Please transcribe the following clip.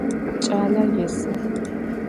Ç'aler yêsı.